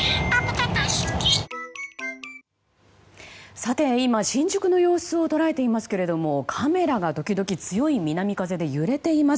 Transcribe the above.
さて、今、新宿の様子を捉えていますけれどもカメラが時々強い南風で揺れています。